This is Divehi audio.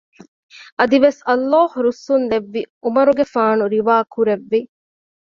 އަދިވެސް ﷲ ރުއްސުން ލެއްވި ޢުމަރުގެފާނު ރިވާ ކުރެއްވި